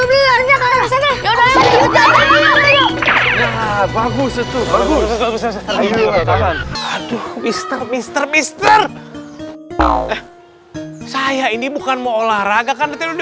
mister mister mister saya ini bukan mau olahraga karena terdengar